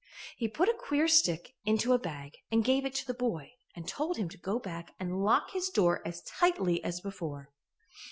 He put a queer stick into a bag and gave it to the boy and told him to go back and lock his door as tightly as before.